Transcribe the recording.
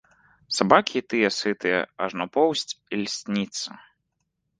Сабакі і тыя сытыя, ажно поўсць ільсніцца.